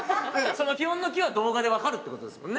その基本のキは動画でわかるってことですもんね